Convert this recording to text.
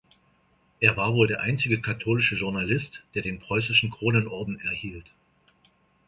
Er war wohl der einzige katholische Journalist, der den preußischen Kronenorden erhielt.